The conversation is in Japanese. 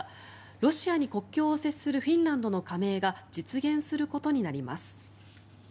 ロシアに国境を接するフィンランドの加盟が実現することになります。